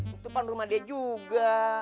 itu kan rumah dia juga